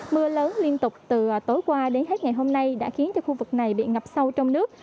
mưa lớn liên tục từ tối qua đến hết ngày hôm nay đã khiến cho khu vực này bị ngập sâu trong nước